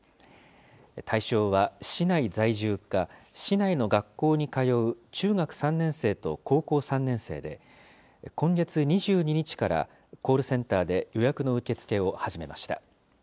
対象は市内在住か市内の学校に通う中学３年生と高校３年生で、今月２２日からコールセンターで予約の受け付けを始めました。